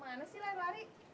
mana sih lebarik